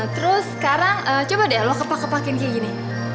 terus sekarang coba deh lo kepak kepakin kayak gini